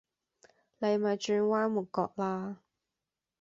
你咪轉彎抹角喇